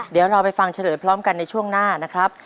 เดี๋ยวเราไปฟังเฉลยพร้อมกันในช่วงหน้านะครับ